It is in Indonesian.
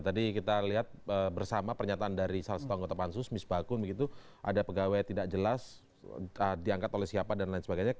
tadi kita lihat bersama pernyataan dari salah satu anggota pansus mis bakun begitu ada pegawai tidak jelas diangkat oleh siapa dan lain sebagainya